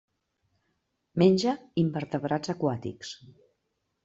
Menja invertebrats aquàtics.